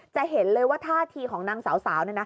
จะเห็นเลยว่าท่าทีของนางสาว